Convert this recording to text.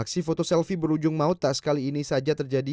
aksi foto selfie berujung maut tak sekali ini saja terjadi